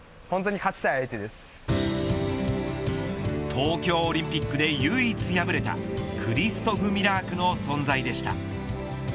東京オリンピックで唯一敗れたクリストフ・ミラークの存在でした。